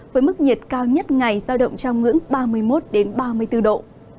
với mức nhiệt cao nhất ngày do động trong ngưỡng ba mươi một đến ba mươi bốn độ